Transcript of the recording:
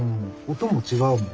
音も違うもん。